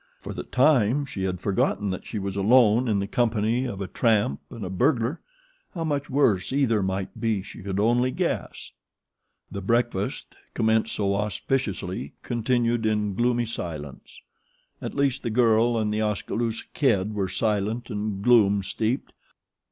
For the time she had forgotten that she was alone in the company of a tramp and a burglar how much worse either might be she could only guess. The breakfast, commenced so auspiciously, continued in gloomy silence. At least the girl and The Oskaloosa Kid were silent and gloom steeped.